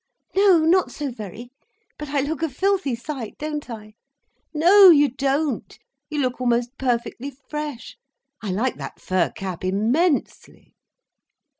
"No, not so very. But I look a filthy sight, don't I!" "No, you don't. You look almost perfectly fresh. I like that fur cap _immensely!